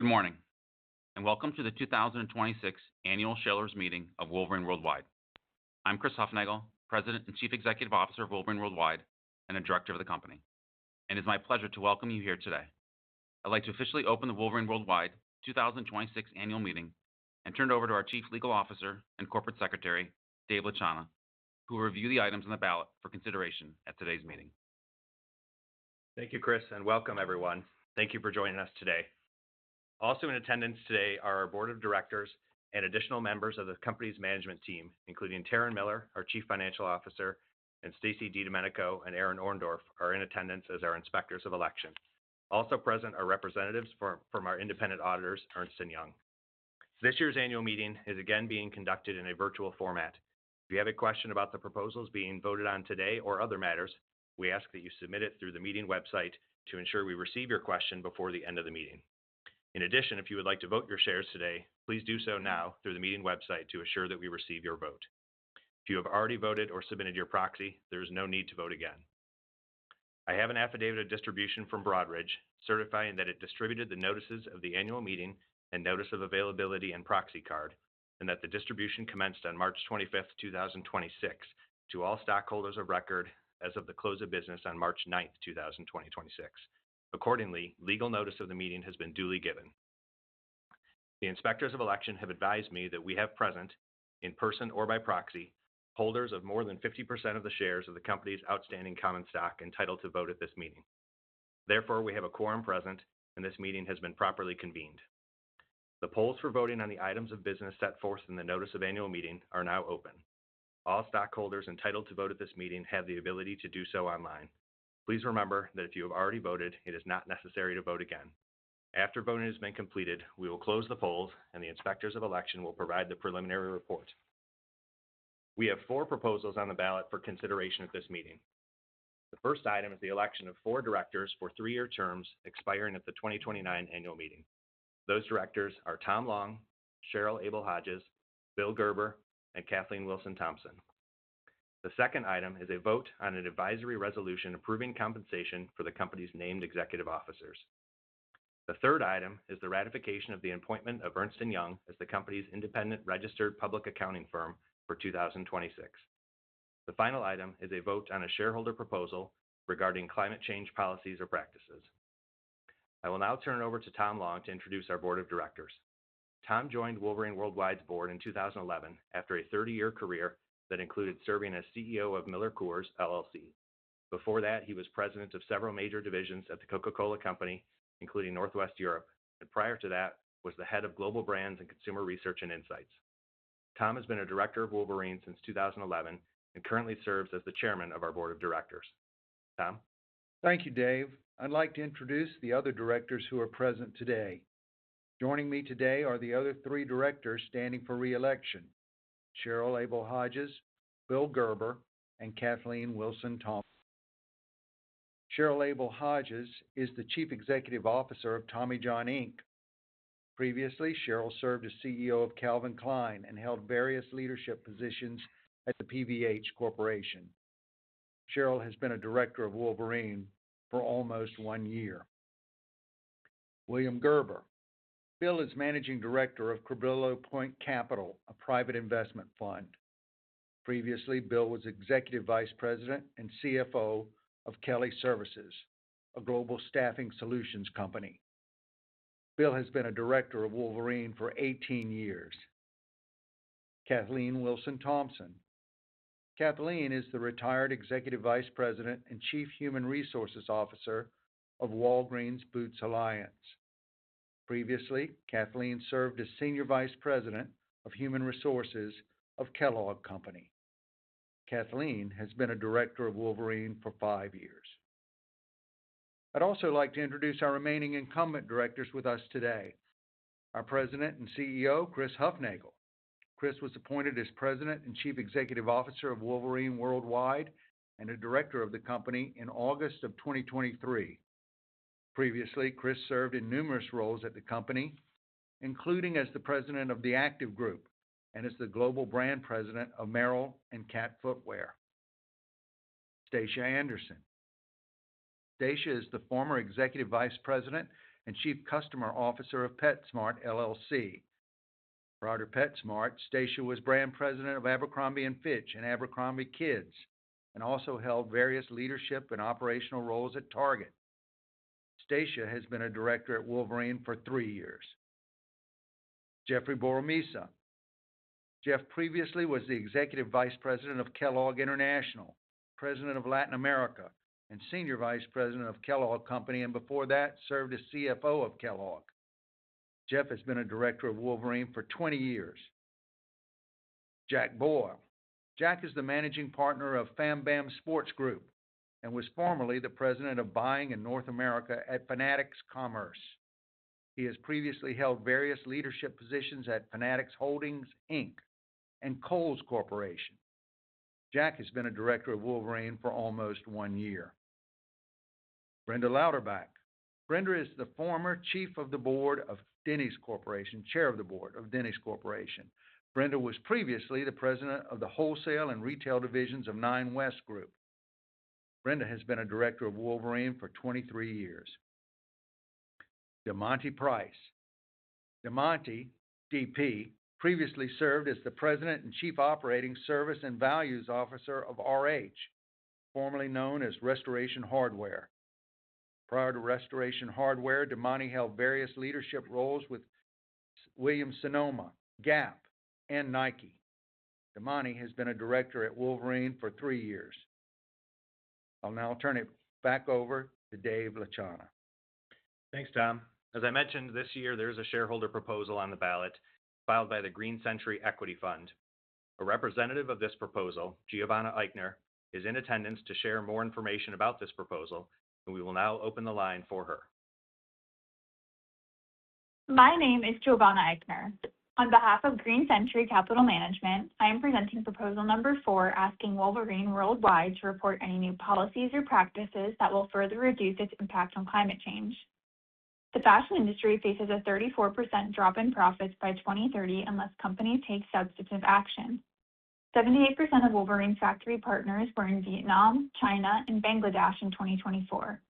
Good morning, welcome to the 2026 Annual Shareholders Meeting of Wolverine World Wide. I'm Chris Hufnagel, President and Chief Executive Officer of Wolverine World Wide, and a director of the company. It's my pleasure to welcome you here today. I'd like to officially open the Wolverine World Wide 2026 Annual Meeting and turn it over to our Chief Legal Officer and Corporate Secretary, Dave Latchana, who will review the items on the ballot for consideration at today's meeting. Thank you, Chris, and welcome everyone. Thank you for joining us today. Also in attendance today are our board of directors and additional members of the company's management team, including Taryn Miller, our Chief Financial Officer, and Stacy DiDomenico and Erin Orndorff are in attendance as our inspectors of election. Also present are representatives from our independent auditors, Ernst & Young. This year's annual meeting is again being conducted in a virtual format. If you have a question about the proposals being voted on today or other matters, we ask that you submit it through the meeting website to ensure we receive your question before the end of the meeting. If you would like to vote your shares today, please do so now through the meeting website to assure that we receive your vote. If you have already voted or submitted your proxy, there is no need to vote again. I have an affidavit of distribution from Broadridge certifying that it distributed the notices of the annual meeting and notice of availability and proxy card, and that the distribution commenced on March 25, 2026, to all stockholders of record as of the close of business on March 9, 2026. Accordingly, legal notice of the meeting has been duly given. The inspectors of election have advised me that we have present, in person or by proxy, holders of more than 50% of the shares of the company's outstanding common stock entitled to vote at this meeting. Therefore, we have a quorum present, and this meeting has been properly convened. The polls for voting on the items of business set forth in the notice of annual meeting are now open. All stockholders entitled to vote at this meeting have the ability to do so online. Please remember that if you have already voted, it is not necessary to vote again. After voting has been completed, we will close the polls, and the inspectors of election will provide the preliminary report. We have four proposals on the ballot for consideration at this meeting. The first item is the election of four directors for three-year terms expiring at the 2029 annual meeting. Those directors are Tom Long, Cheryl Abel-Hodges, William Gerber, and Kathleen Wilson-Thompson. The second item is a vote on an advisory resolution approving compensation for the company's named executive officers. The third item is the ratification of the appointment of Ernst & Young as the company's independent registered public accounting firm for 2026. The final item is a vote on a shareholder proposal regarding climate change policies or practices. I will now turn it over to Tom Long to introduce our board of directors. Tom joined Wolverine World Wide's board in 2011 after a 30-year career that included serving as CEO of MillerCoors LLC. Before that, he was president of several major divisions at The Coca-Cola Company, including Northwest Europe, and prior to that, was the head of Global Brands and Consumer Research and Insights. Tom has been a director of Wolverine since 2011 and currently serves as the chairman of our board of directors. Tom? Thank you, Dave. I'd like to introduce the other directors who are present today. Joining me today are the other three directors standing for re-election, Cheryl Abel-Hodges, Bill Gerber, and Kathleen Wilson-Thompson. Cheryl Abel-Hodges is the Chief Executive Officer of Tommy John, Inc. Previously, Cheryl served as CEO of Calvin Klein and held various leadership positions at the PVH Corp. Cheryl has been a director of Wolverine for almost one year. William Gerber. Bill is Managing Director of Cabrillo Point Capital, a private investment fund. Previously, Bill was Executive Vice President and CFO of Kelly Services, a global staffing solutions company. Bill has been a director of Wolverine for 18 years. Kathleen Wilson-Thompson. Kathleen is the retired Executive Vice President and Chief Human Resources Officer of Walgreens Boots Alliance. Previously, Kathleen served as Senior Vice President of Human Resources of Kellogg Company. Kathleen has been a director of Wolverine for five years. I'd also like to introduce our remaining incumbent directors with us today. Our President and CEO, Chris Hufnagel. Chris was appointed as President and Chief Executive Officer of Wolverine World Wide, and a director of the company in August of 2023. Previously, Chris served in numerous roles at the company, including as the President of the Active Group and as the Global Brand President of Merrell and Cat Footwear. Stacia Andersen. Stacia is the former Executive Vice President and Chief Customer Officer of PetSmart LLC. Prior to PetSmart, Stacia was Brand President of Abercrombie & Fitch and abercrombie kids, and also held various leadership and operational roles at Target. Stacia has been a director at Wolverine for three years. Jeffrey Boromisa. Jeff previously was the Executive Vice President of Kellogg International, President of Latin America, and Senior Vice President of Kellogg Company, and before that, served as CFO of Kellogg. Jeff has been a director of Wolverine for 20 years. Jack Boyle. Jack is the Managing Partner of FamBam Sports Group and was formerly the President of Buying in North America at Fanatics Commerce. He has previously held various leadership positions at Fanatics Holdings, Inc. and Kohl's Corporation. Jack has been a director of Wolverine for almost one year. Brenda Lauderback. Brenda is the former Chair of the Board of Denny's Corporation. Brenda was previously the President of the wholesale and retail divisions of Nine West Group. Brenda has been a director of Wolverine for 23 years. DeMonty Price. DeMonty, DP, previously served as the President and Chief Operating Service and Values Officer of RH, formerly known as Restoration Hardware. Prior to Restoration Hardware, DeMonty held various leadership roles with Williams-Sonoma, Gap, and Nike. DeMonty has been a director at Wolverine for three years. I'll now turn it back over to David A. Latchana. Thanks, Tom. As I mentioned this year, there's a shareholder proposal on the ballot filed by the Green Century Equity Fund. A representative of this proposal, Giovanna Eichner, is in attendance to share more information about this proposal, and we will now open the line for her. My name is Giovanna Eichner. On behalf of Green Century Capital Management, I am presenting proposal number four, asking Wolverine World Wide to report any new policies or practices that will further reduce its impact on climate change. The fashion industry faces a 34% drop in profits by 2030 unless companies take substantive action. 78% of Wolverine's factory partners were in Vietnam, China, and Bangladesh in 2024.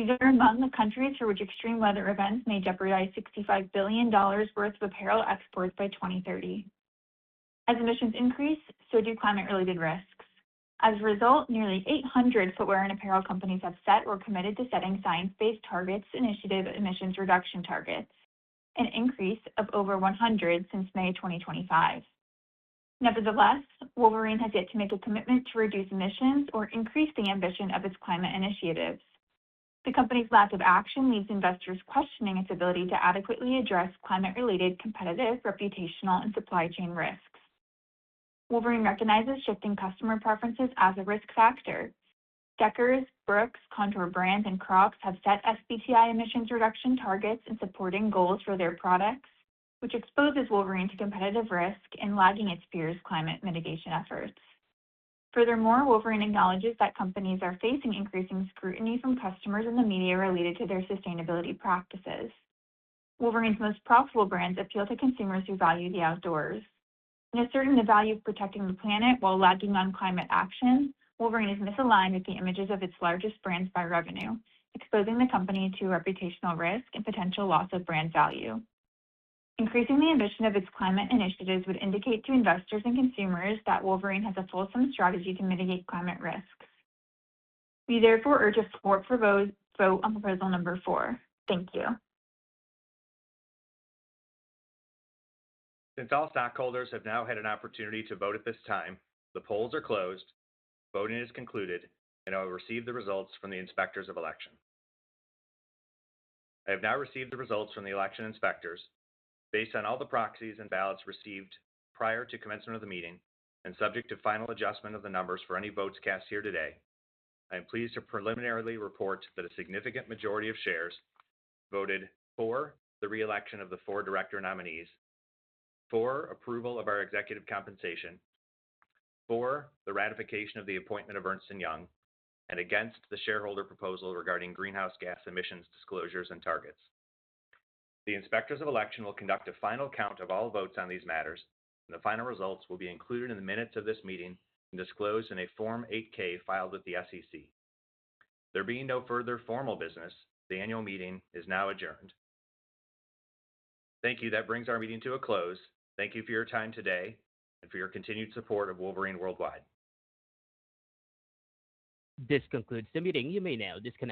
These are among the countries for which extreme weather events may jeopardize $65 billion worth of apparel exports by 2030. As emissions increase, so do climate-related risks. As a result, nearly 800 footwear and apparel companies have set or committed to setting Science Based Targets initiative emissions reduction targets, an increase of over 100 since May 2025. Nevertheless, Wolverine has yet to make a commitment to reduce emissions or increase the ambition of its climate initiatives. The company's lack of action leaves investors questioning its ability to adequately address climate-related competitive, reputational, and supply chain risks. Wolverine recognizes shifting customer preferences as a risk factor. Deckers, Brooks, Kontoor Brands, and Crocs have set SBTi emissions reduction targets and supporting goals for their products, which exposes Wolverine to competitive risk in lagging its peers' climate mitigation efforts. Furthermore, Wolverine acknowledges that companies are facing increasing scrutiny from customers and the media related to their sustainability practices. Wolverine's most profitable brands appeal to consumers who value the outdoors. In asserting the value of protecting the planet while lagging on climate action, Wolverine is misaligned with the images of its largest brands by revenue, exposing the company to reputational risk and potential loss of brand value. Increasing the ambition of its climate initiatives would indicate to investors and consumers that Wolverine has a wholesome strategy to mitigate climate risks. We therefore urge a vote on proposal number four. Thank you. Since all stakeholders have now had an opportunity to vote at this time, the polls are closed, voting is concluded, and I will receive the results from the inspectors of election. I have now received the results from the election inspectors. Based on all the proxies and ballots received prior to commencement of the meeting, and subject to final adjustment of the numbers for any votes cast here today, I am pleased to preliminarily report that a significant majority of shares voted for the re-election of the four director nominees, for approval of our executive compensation, for the ratification of the appointment of Ernst & Young, and against the shareholder proposal regarding greenhouse gas emissions disclosures and targets. The inspectors of election will conduct a final count of all votes on these matters, and the final results will be included in the minutes of this meeting and disclosed in a Form 8-K filed with the SEC. There being no further formal business, the annual meeting is now adjourned. Thank you. That brings our meeting to a close. Thank you for your time today and for your continued support of Wolverine World Wide. This concludes the meeting. You may now disconnect.